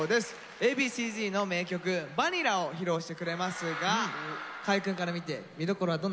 Ａ．Ｂ．Ｃ−Ｚの名曲「Ｖａｎｉｌｌａ」を披露してくれますが河合くんから見て見どころはどんなところでしょうか？